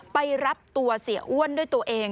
ไปรับตัวเสียอ้วนด้วยตัวเอง